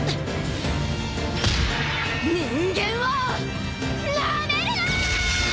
人間をなめるな‼ドーン！